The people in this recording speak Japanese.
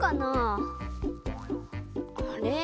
あれ？